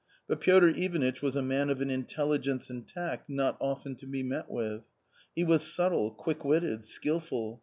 But Piotr Ivanitch was a man of an intelligence and tact not often to be met with. He was subtle, quickwitted, skilful.